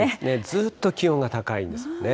ずっと気温が高いんですよね。